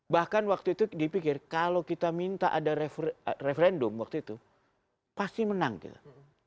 bahkan waktu itu dipikir kalau kita minta ada referendum waktu itu pasti menang gitu